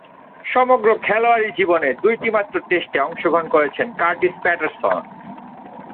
সমগ্র খেলোয়াড়ী জীবনে দুইটিমাত্র টেস্টে অংশগ্রহণ করেছেন কার্টিস প্যাটারসন।